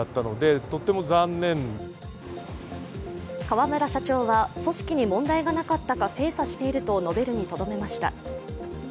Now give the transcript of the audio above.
河村社長は組織に問題がなかったか精査していると述べるにとどめました。